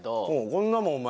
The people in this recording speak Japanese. こんなもんお前